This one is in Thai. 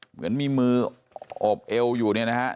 เหมือนมีมือโอบเอลอยู่แบบนี้นะครับ